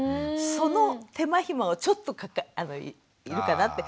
その手間暇をちょっと要るかなって。